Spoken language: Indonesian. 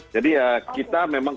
jadi ya kita memang